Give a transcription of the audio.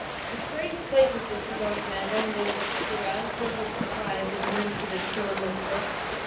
A strange sight was this for Don Fernando and those that stood around, filled with surprise at an incident so unlooked for.